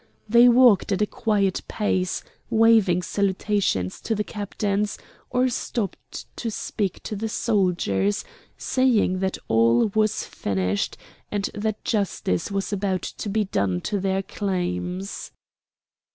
They walked at a quiet pace, waving salutations to the captains, or stopped to speak to the soldiers, saying that all was finished and that justice was about to be done to their claims.